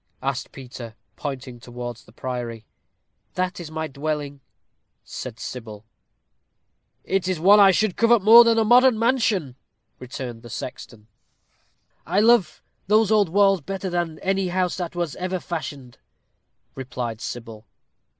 asked Peter, pointing towards the priory. "That is my dwelling," said Sybil. "It is one I should covet more than a modern mansion," returned the sexton. "I love those old walls better than any house that was ever fashioned," replied Sybil.